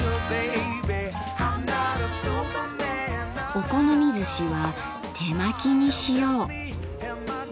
お好みずしは手巻きにしよう。